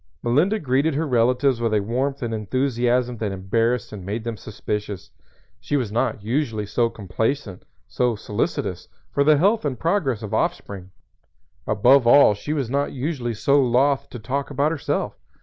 Melinda greeted her relatives with a warmth and enthusiasm that embarrassed and made them suspicious. She was not usually so complacent, so solicitous for the health and progress of offspring; above all she was not usually so loth to talk about herself.